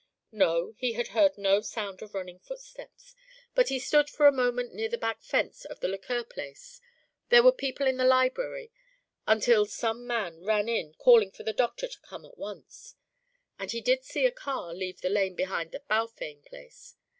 No, he had heard no sound of running footsteps, but he stood for a moment near the back fence of the Lequer place; there were people in the library until some man ran in calling for the doctor to come at once and he did see a car leave the lane behind the Balfame place.